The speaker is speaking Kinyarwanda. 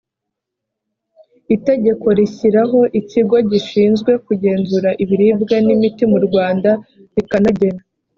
itegeko rishyiraho ikigo gishinzwe kugenzura ibiribwa n imiti mu rwanda rikanagena